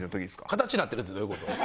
形になってるってどういう事？